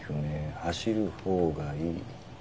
走る方がいい」。